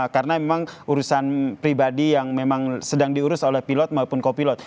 karena memang urusan pribadi yang memang sedang diurus oleh pilot maupun kopilot